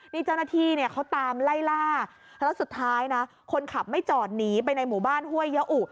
นี่เจ้าหน้าที่เนี่ยเขาตามไล่ล่าแล้วสุดท้ายนะคนขับไม่จอดหนีไปในหมู่บ้านห้วยยะอุ